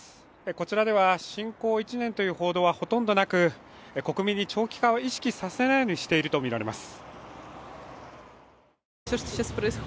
こちらでは侵攻１年という報道はほとんどなく国民に長期間を意識させないようにしているとみられます。